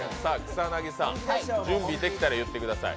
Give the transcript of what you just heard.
草薙さん、準備できたら言ってください。